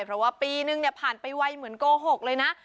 เพราะว่าปีนึงเนี่ยผ่านไปไวเหมือนโกหกเลยนะ